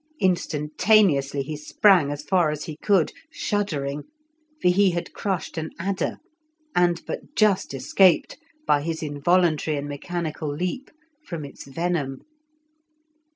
Instantaneously he sprang as far as he could, shuddering, for he had crushed an adder, and but just escaped, by his involuntary and mechanical leap, from its venom.